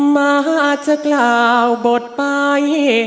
มาจะกล่าวบทไป